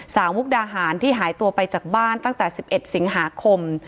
มุกดาหารที่หายตัวไปจากบ้านตั้งแต่๑๑สิงหาคม